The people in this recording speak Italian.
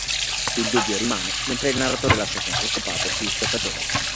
Il dubbio rimane, mentre il narratore lascia con questo pathos gli spettatori.